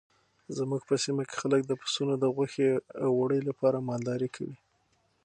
زموږ په سیمه کې خلک د پسونو د غوښې او وړۍ لپاره مالداري کوي.